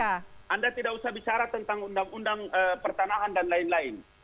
anda tidak usah bicara tentang undang undang pertanahan dan lain lain